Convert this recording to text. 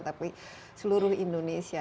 tapi seluruh indonesia